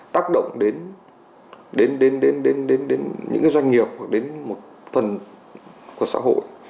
tác động đến những doanh nghiệp hoặc đến một phần của xã hội